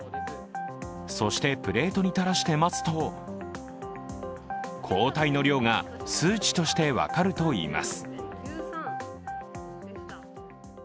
そしてプレートに垂らして待つと、抗体の量が数値として分かるといいます。